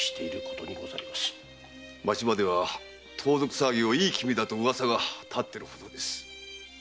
町場では盗賊騒ぎをいい気味だと噂が立つほどです。